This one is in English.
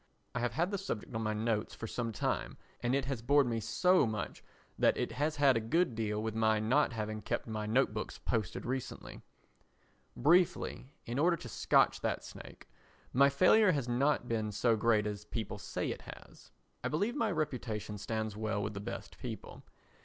I have had the subject on my notes for some time and it has bored me so much that it has had a good deal to do with my not having kept my Note Books posted recently. Briefly, in order to scotch that snake, my failure has not been so great as people say it has. I believe my reputation stands well with the best people.